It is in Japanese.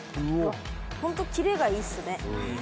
ホント切れがいいっすね。